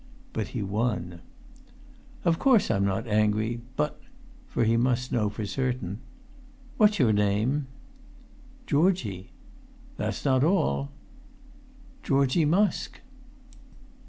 But he won. "Of course I'm not angry; but"—for he must know for certain—"what's your name?" [Pg 263]"Georgie." "That's not all." "Georgie Musk."